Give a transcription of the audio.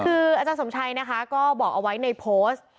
คืออาจารย์สมชัยนะคะก็บอกเอาไว้ในโพสต์